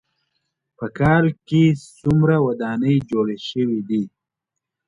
په کال کې څومره ودانۍ جوړې شوې دي.